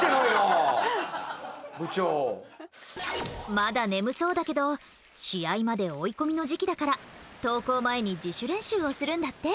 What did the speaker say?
まだ眠そうだけど試合まで追い込みの時期だから登校前に自主練習をするんだって。